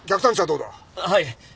はい。